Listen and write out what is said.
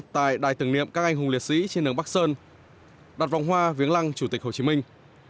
tại đài tưởng niệm các anh hùng liệt sĩ trên đường bắc sơn đặt vòng hoa viếng lăng chủ tịch hồ chí minh